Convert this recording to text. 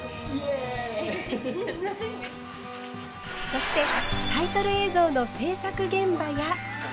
そしてタイトル映像の制作現場や。